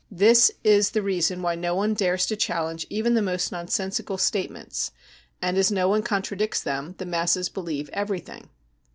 This is the reason why no one dares to challenge even the most nonsensical statements ; and as no one contradicts them, the masses believe everything.